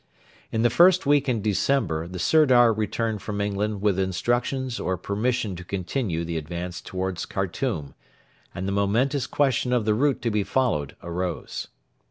In the first week in December the Sirdar returned from England with instructions or permission to continue the advance towards Khartoum, and the momentous question of the route to be followed arose.